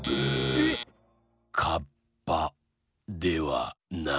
えっ⁉カッパではない。